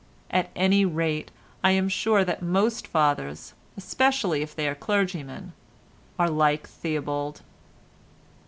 At any rate I am sure that most fathers, especially if they are clergymen, are like Theobald.